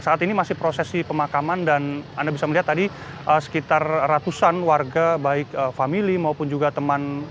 saat ini masih prosesi pemakaman dan anda bisa melihat tadi sekitar ratusan warga baik famili maupun juga teman